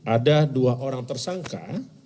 ada dua orang tersangka